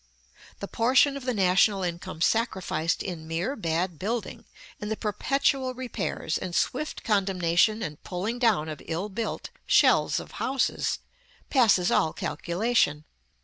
The portion of the national income sacrificed in mere bad building, in the perpetual repairs, and swift condemnation and pulling down of ill built shells of houses, passes all calculation.